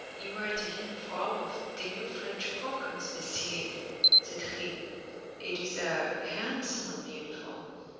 "You wear the uniform of the new French conquerors, monsieur," said he; "it is a handsome uniform."